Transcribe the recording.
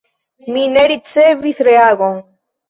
Mi ne ricevis reagon.